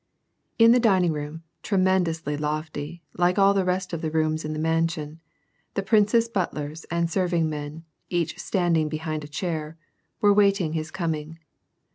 In the dining room, tremendously lofty, like all the rest of the rooms in the mansion, the prince's butlers and serving men, each standing behind a chair, were waiting his coming.